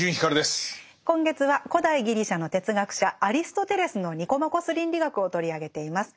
今月は古代ギリシャの哲学者アリストテレスの「ニコマコス倫理学」を取り上げています。